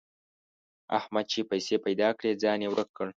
احمد چې پیسې پيدا کړې؛ ځان يې ورک کړ.